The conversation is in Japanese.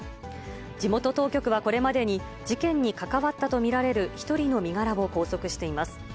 地元当局はこれまでに、事件に関わったと見られる１人の身柄を拘束しています。